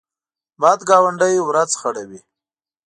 بد ګاونډی ورځ خړوي